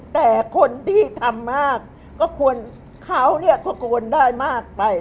แต่คนที่ทำมากก็ควรเขาก็ควรได้มากไป